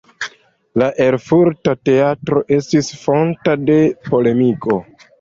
La Erfurta Teatro estis fonto de polemiko.